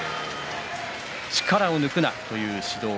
力を抜くなという指導